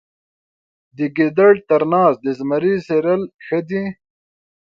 د ګیدړ تر ناز د زمري څیرل ښه دي.